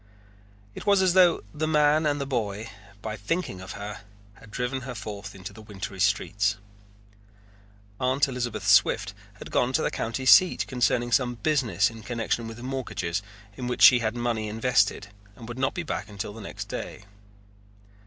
It was as though the man and the boy, by thinking of her, had driven her forth into the wintry streets. Aunt Elizabeth Swift had gone to the county seat concerning some business in connection with mortgages in which she had money invested and would not be back until the next day.